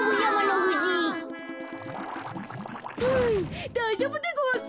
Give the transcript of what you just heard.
ふうだいじょうぶでごわす。